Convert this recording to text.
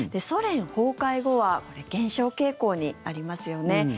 ソ連崩壊後は減少傾向にありますよね。